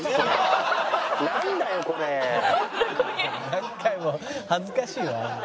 何回も恥ずかしいわもう。